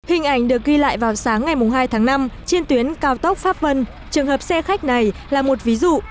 hình ảnh được ghi lại vào sáng ngày hai tháng năm trên tuyến cao tốc pháp vân trường hợp xe khách này là một ví dụ